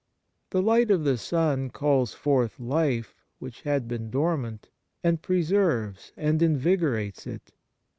The light of the sun calls forth life which had been dormant, and preserves and invigorates it.